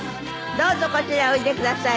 どうぞこちらへおいでください。